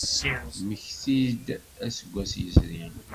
Mmektit-d aseggas yezrin.